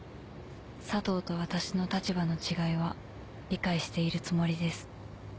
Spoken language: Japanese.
佐藤と私の立場の違いは理解しているつもりです。